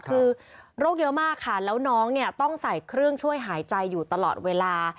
คือโรคเยอะมากค่ะแล้วน้องเนี่ยต้องใส่เครื่องช่วยหายใจอยู่ตลอดเวลา